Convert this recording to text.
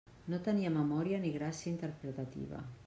No tenia memòria ni gràcia interpretativa.